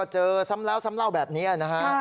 เจอซ้ำแล้วซ้ำเล่าแบบนี้นะฮะ